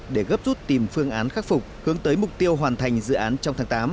để gấp rút tìm phương án khắc phục hướng tới mục tiêu hoàn thành dự án trong tháng tám